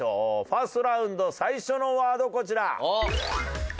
ファーストラウンド最初のワードこちら。